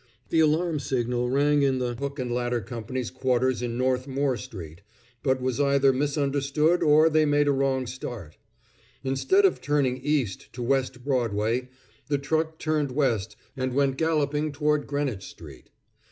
The alarm signal rang in the hook and ladder company's quarters in North Moore street, but was either misunderstood or they made a wrong start. Instead of turning east to West Broadway, the truck turned west, and went galloping toward Greenwich street.